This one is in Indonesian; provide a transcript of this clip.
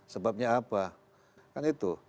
sebabnya apa kan itu